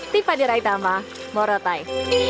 di padiraitama morotai